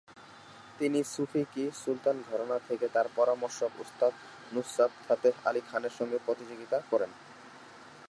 তিনি সুফি কি সুলতান ঘরানা থেকে তার পরামর্শক উস্তাদ নুসরাত ফতেহ আলী খানের সঙ্গে প্রতিযোগিতা করেন।